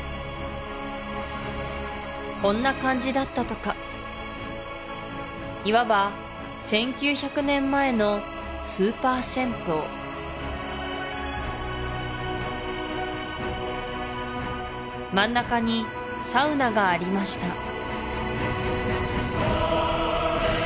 こんな感じだったとかいわば１９００年前のスーパー銭湯真ん中にサウナがありました